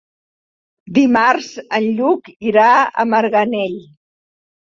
Dimarts en Lluc irà a Marganell.